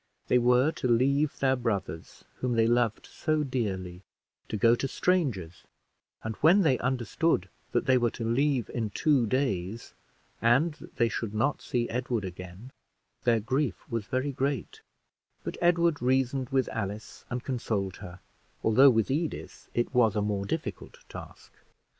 They were to leave their brothers whom they loved so dearly, to go to strangers; and when they understood that they were to leave in two days, and that they should not see Edward again, their grief was very great; but Edward reasoned with Alice and consoled her, although with Edith it was a more difficult task.